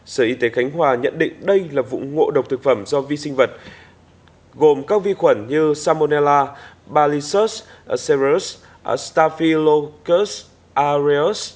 sở y tế khánh hòa nhận định đây là vụ ngộ độc thực phẩm do vi sinh vật gồm các vi khuẩn như salmonella balisus cereus staphylococcus aureus